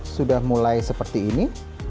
sudah mulai seperti ini